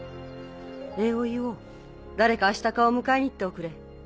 礼を言おう誰かアシタカを迎えに行っておくれ。